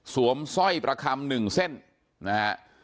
สวมสร้อยประคัม๑เส้นนะฮะ